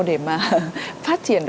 để phát triển